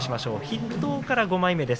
筆頭から５枚目。